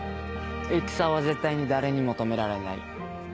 戦は絶対に誰にも止められない。